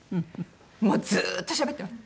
もうずっとしゃべってます。